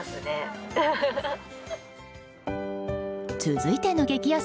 続いての激安